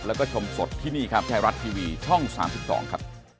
แล้วก็ชมสดที่นี่ครับไทยรัฐทีวีช่อง๓๒ครับ